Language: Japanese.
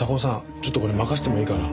ちょっとこれ任せてもいいかな？